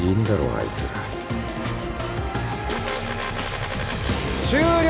あいつら終了